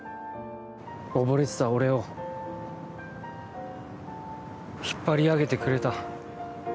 溺れてた俺を引っ張り上げてくれた。